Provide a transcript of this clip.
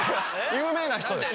有名な人です。